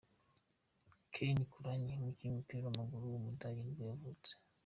Kevin Kurányi, umukinnyi w’umupira w’amaguru w’umudage nibwo yavutse.